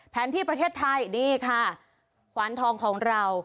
ที่ประเทศไทยดีค่ะขวานทองของเรา